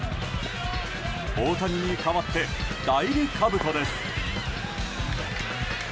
大谷に代わって代理かぶとです。